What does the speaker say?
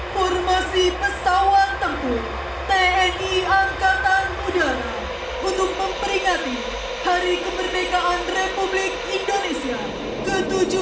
formasi pesawat tempuh tni angkatan muda untuk memperingati hari kemerdekaan republik indonesia ke tujuh puluh dua